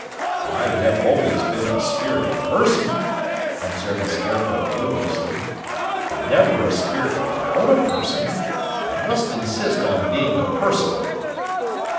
"I have always been a spirited person," observed the Scarecrow dubiously, "but never a spirit without a person. I must insist on being a person."